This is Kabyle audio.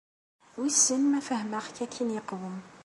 Wissen ma fehmeɣ-k akken yeqwem.